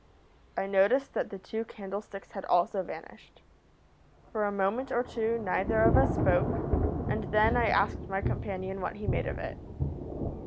I noticed that the two candlesticks had also vanished. For a moment or two neither of us spoke, and then I asked my companion what he made of it.